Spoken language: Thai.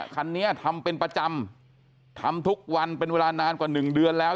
คันนี้ทำเป็นประจำทำทุกวันเป็นเวลานานกว่าหนึ่งเดือนแล้ว